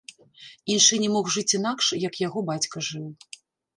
Іншы не мог жыць інакш, як яго бацька жыў.